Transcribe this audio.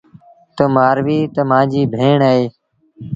تا مآرويٚ تا مآݩجيٚ ڀيڻ اهي۔